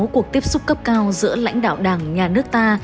ba mươi sáu cuộc tiếp xúc cấp cao giữa lãnh đạo đảng nhà nước ta